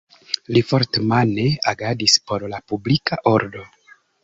Li fort-mane agadis por la publika ordo.